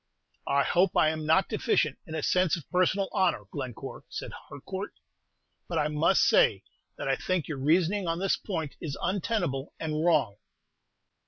"I hope I 'm not deficient in a sense of personal honor, Glencore," said Harcourt; "but I must say that I think your reasoning on this point is untenable and wrong."